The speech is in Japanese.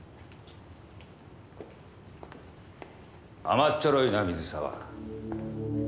甘っちょろいな水沢。